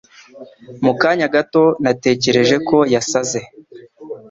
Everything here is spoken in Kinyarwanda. Mu kanya gato, natekereje ko yasaze.